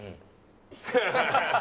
ハハハハ！